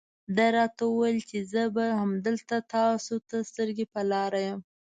ده راته وویل چې زه به همدلته تاسو ته سترګې په لار یم.